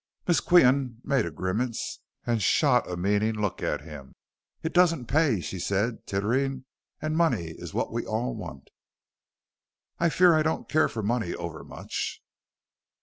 Miss Qian made a grimace and shot a meaning look at him. "It doesn't pay," she said, tittering, "and money is what we all want." "I fear I don't care for money overmuch."